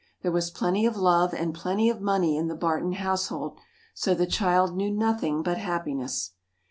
There was plenty of love and plenty of money in the Barton household, so the child knew nothing but happiness.